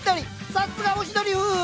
さっすがおしどり夫婦！